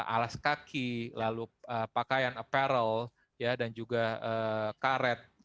alas kaki lalu pakaian apparel dan juga karet